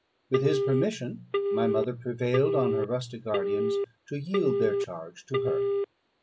With his permission my mother prevailed on her rustic guardians to yield their charge to her.